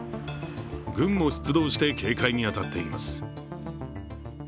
軍も出動して警戒に当たっています。